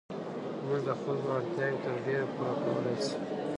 زموږ د خلکو اړتیاوې تر ډېره پوره کولای شي.